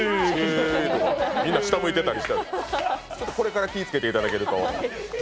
みんな下向いてたりしててこれからみんな気をつけていただけると。